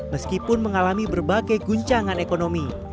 meskipun mengalami berbagai guncangan ekonomi